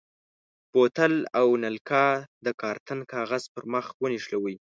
بوتل او نلکه د کارتن کاغذ پر مخ ونښلوئ.